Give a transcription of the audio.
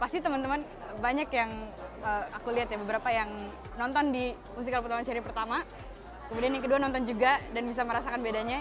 pasti teman teman banyak yang aku lihat ya beberapa yang nonton di musikal pertemuan seri pertama kemudian yang kedua nonton juga dan bisa merasakan bedanya